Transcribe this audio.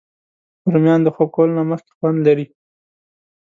رومیان د خوب کولو نه مخکې خوند لري